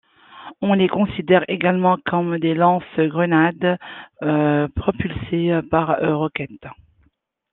On les considère également comme des lance-grenades propulsées par roquettes.